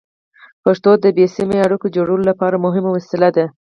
پښتو د بې سیمه اړیکو جوړولو لپاره مهمه وسیله ده.